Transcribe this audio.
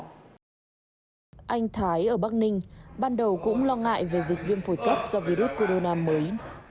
vì ở bắc ninh ban đầu cũng lo ngại về dịch viêm phổi cấp do virus corona mới